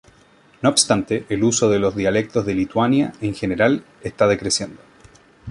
No obstante, el uso de los dialectos en Lituania, en general, está decreciendo.